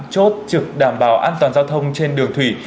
chốt trực đảm bảo an toàn giao thông trên đường thủy